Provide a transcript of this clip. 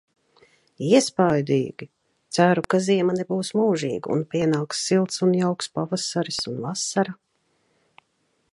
Iespaidīgi! Ceru, ka ziema nebūs mūžīga un pienaks silts un jauks pavasaris un vasara...